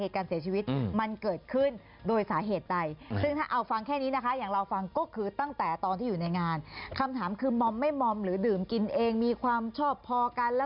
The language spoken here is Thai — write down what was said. ตอนที่ตั้งคณะขึ้นมาตกลงแล้วเนี่ยไปสอบเพิ่มหลายเรื่องมั้ยคะ